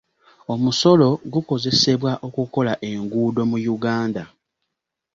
Omusolo gukozesebwa okukola enguudo mu Uganda.